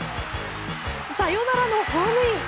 サヨナラのホームイン。